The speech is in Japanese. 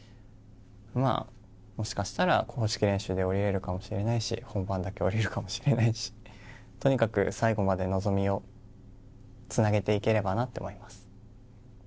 もしかしたら公式練習でも降りられるかもしれないし本番だけ降りられるかもしれないしとにかく最後まで望みをつなげていければなと思います。